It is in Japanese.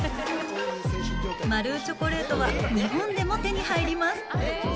マルゥチョコレートは日本でも手に入ります。